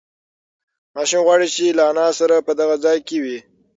ماشوم غواړي چې له انا سره په دغه ځای کې وي.